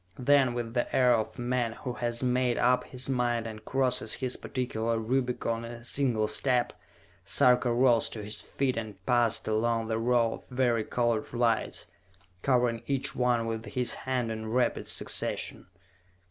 Then, with the air of a man who has made up his mind and crosses his particular Rubicon in a single step, Sarka rose to his feet and passed along the row of vari colored lights, covering each one with his hand in rapid succession.